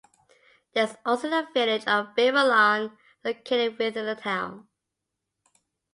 There is also a village of Babylon located within the town.